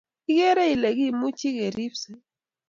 ikeree ile kimuchi kirepsee